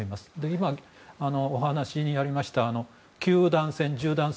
今、お話にありました九段線、十段線。